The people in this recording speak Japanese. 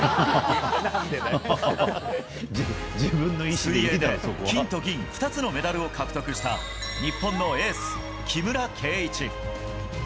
水泳で金と銀２つのメダルを獲得した日本のエース、木村敬一。